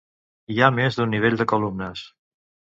Hi ha més d'un nivell de columnes.